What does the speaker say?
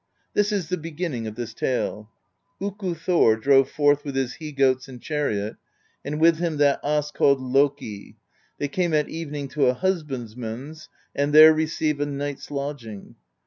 This is the beginning of this tale: Oku Thor drove forth with his he goats and chariot, and with him that As called Loki; they came at evening to a husbandman's, and there received a night's lodging.